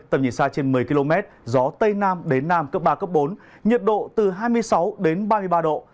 tầm nhìn xa trên một mươi km gió tây nam đến nam cấp ba cấp bốn nhiệt độ từ hai mươi sáu đến ba mươi ba độ